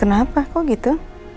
kenapa kok gitu